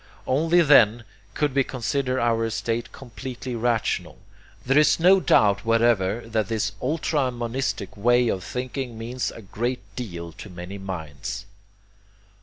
Only then could we consider our estate completely rational. There is no doubt whatever that this ultra monistic way of thinking means a great deal to many minds.